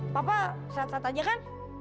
papa sehat saat aja kan